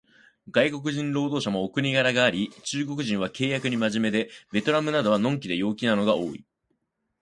外国人労働者もお国柄があり、中国人は契約に真面目で、ベトナムなどは呑気で陽気なのが多い